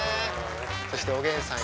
そしておげんさんよ。